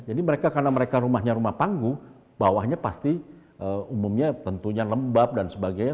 jadi mereka karena rumahnya rumah panggung bawahnya pasti umumnya tentunya lembab dan sebagainya